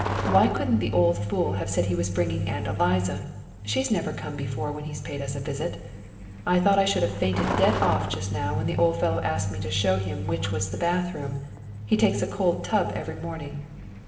Why couldn't the old fool have said he was bringing Aunt Eliza? she's never come before when he's paid us a visit. I thought I should have fainted dead off just now when the old fellow asked me to show him which was the bath room he takes a cold tub every morning.